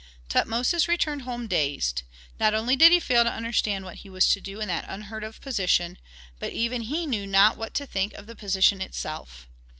Tutmosis returned home dazed. Not only did he fail to understand what he was to do in that unheard of position, but even he knew not what to think of the position itself.